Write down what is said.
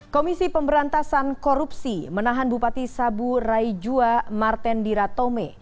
komisi pemberantasan korupsi menahan bupati sabu raijua martendira tome